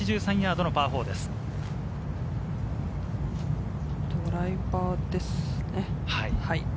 ドライバーですね。